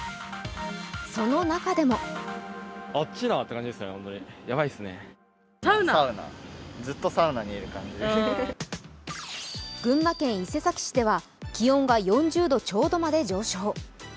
その中でも群馬県伊勢崎市では気温が４０度ちょうどまで上昇。